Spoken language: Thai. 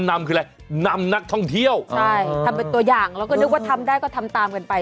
นำคืออะไรนำนักท่องเที่ยวใช่ทำเป็นตัวอย่างแล้วก็นึกว่าทำได้ก็ทำตามกันไป